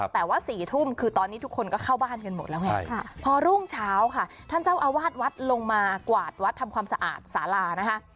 แต่ว่า๔ทุ่มคือตอนนี้ทุกคนก็เข้าบ้านกันหมดแล้วไงพอรุ่งเช้าค่ะท่านเจ้าอาวาสวัดลงมากวาดวัดทำความสะอาดสารานะคะ